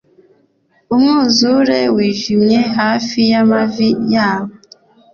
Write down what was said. umwuzure wijimye hafi y'amavi yabo